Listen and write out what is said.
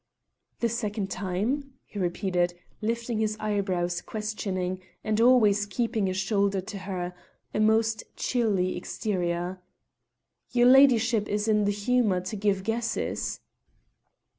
"The second time?" he repeated, lifting his eyebrows questioning, and always keeping a shoulder to her a most chilly exterior. "Your ladyship is in the humour to give guesses."